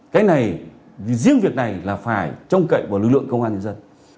cái này riêng việc này là phải trong cạnh của lực lượng công an nhân dân